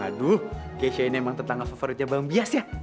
aduh gc ini emang tetangga favoritnya bang bias ya